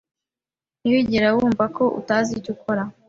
Ntiwigera wumva ko utazi icyo ukora?